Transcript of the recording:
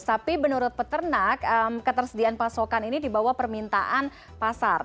tapi menurut peternak ketersediaan pasokan ini di bawah permintaan pasar